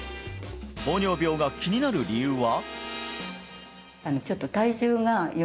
糖尿病が気になる理由は？